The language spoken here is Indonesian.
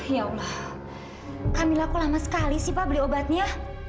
ya allah kamilaku lama sekali sih pak beli obatnya